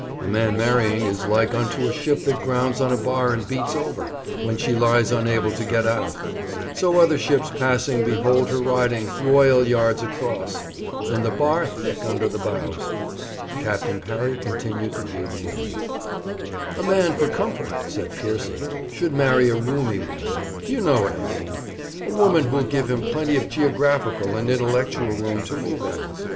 A man marrying is like unto a ship that grounds on a bar and beats over, where she lies unable to get out; so other ships passing behold her riding, royal yards across, and the bar thick under the bows.' Captain Parry continued to view the moon. 'A man for comfort,' said Piercy, 'should marry a roomy woman. You know what I mean a woman who'll give him plenty of geographical and intellectual room to move in.